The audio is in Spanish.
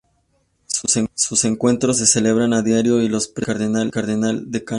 Sus encuentros se celebran a diario y los preside el cardenal decano.